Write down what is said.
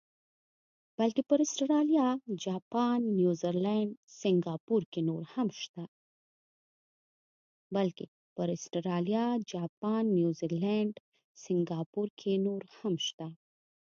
بلکې پر اسټرالیا، جاپان، نیوزیلینډ، سنګاپور کې نور هم شته.